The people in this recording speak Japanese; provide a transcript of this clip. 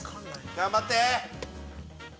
頑張って！